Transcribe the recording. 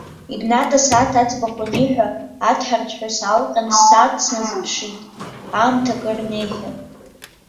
Игнат асааҭ аӡбахә аниҳәа, аҭҳарцәҳәа саалҟьан ссааҭ сназыԥшит, аамҭа акыр инеихьан.